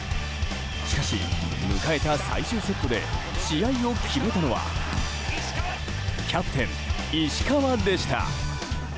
しかし、迎えた最終セットで試合を決めたのはキャプテン石川でした。